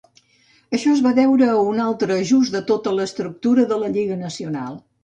Això es va deure a un altre ajust de tota l'estructura de la lliga nacional.